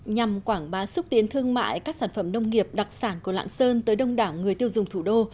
nhằm quảng bá xúc tiến thương mại các sản phẩm nông nghiệp đặc sản của lạng sơn tới đông đảo người tiêu dùng thủ đô